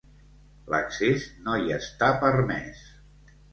L'accés no hi està permès.